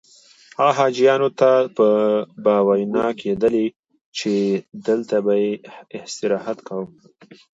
هغه حاجیانو ته به ویناوې کېدلې چې دلته به یې استراحت کاوه.